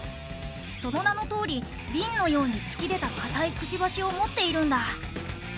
その名のとおり瓶のように突き出た硬いくちばしを持っているんだ。